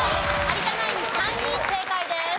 有田ナイン３人正解です。